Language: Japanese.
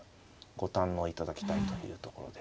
ご堪能いただきたいというところです。